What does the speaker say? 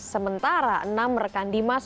sementara enam rekan dimas